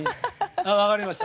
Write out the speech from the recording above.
わかりました。